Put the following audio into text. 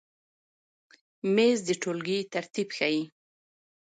مېز د ټولګۍ ترتیب ښیي.